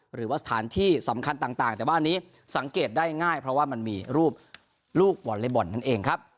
หรือว่าสถานที่สำคัญต่างแต่ว่าอันนี้สังเกตได้ง่ายเพราะว่ามันมีรูปลูกวอลเล็บบอลนั่นเองครับ